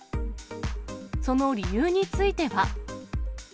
その理由については。